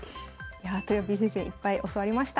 とよぴー先生いっぱい教わりました。